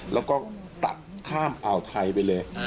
แล้วก็ตัดข้ามอ่าวไทยไปเลย